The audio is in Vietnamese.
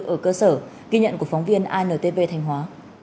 ở cơ sở ghi nhận của phóng viên intv thanh hóa